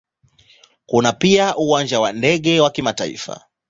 Kuna pia Uwanja wa ndege wa kimataifa.